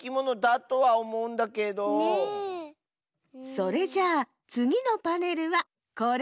それじゃあつぎのパネルはこれ！